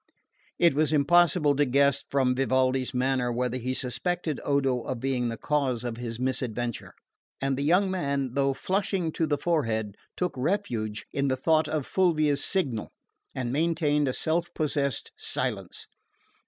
It was impossible to guess from Vivaldi's manner whether he suspected Odo of being the cause of his misadventure; and the young man, though flushing to the forehead, took refuge in the thought of Fulvia's signal and maintained a self possessed silence.